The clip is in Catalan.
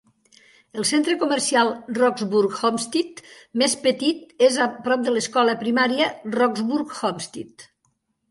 El centre comercial Roxburgh Homestead més petit és a prop de l'Escola Primària Roxburgh Homestead.